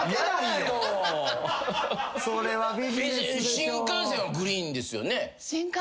新幹線はグリーンですよね？